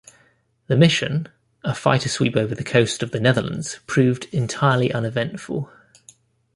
The mission, a fighter sweep over the coast of the Netherlands, proved entirely uneventful.